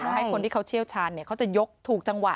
ให้คนที่เขาเชี่ยวชาญเขาจะยกถูกจังหวะ